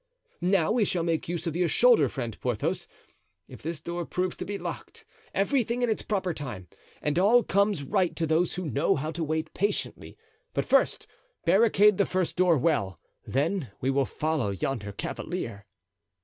"Now we shall make use of your shoulder, friend Porthos, if this door proves to be locked. Everything in its proper time, and all comes right to those who know how to wait patiently. But first barricade the first door well; then we will follow yonder cavalier."